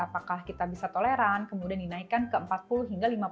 apakah kita bisa menggunakan gula dalam tubuh yang lebih aktif